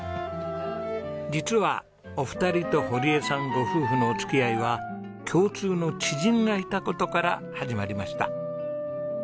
実はお二人と堀江さんご夫婦のお付き合いは共通の知人がいた事から始まりました。